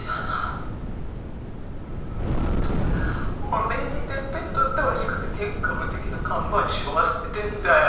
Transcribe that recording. おめえにてっぺん取ってほしくて天下無敵の看板しょわせてんだよ。